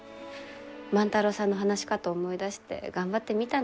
万太郎さんの話し方思い出して頑張ってみたんですけどね。